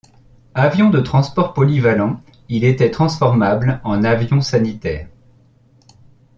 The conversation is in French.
Avion de transport polyvalent, il était transformable en avion sanitaire.